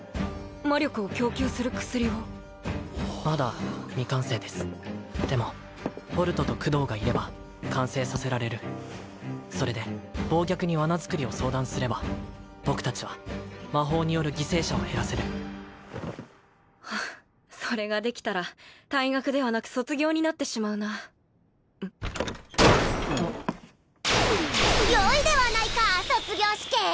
魔力を供給する薬をまだ未完成ですでもホルトとクドーがいれば完成させられるそれで暴虐にワナ作りを相談すれば僕達は魔法による犠牲者を減らせるそれができたら退学ではなく卒業になってしまうなよいではないか卒業試験！